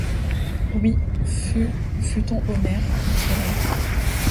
Oui, fût-on Homère, il faut rire